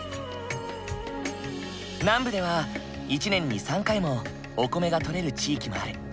南部では１年に３回もお米が取れる地域もある。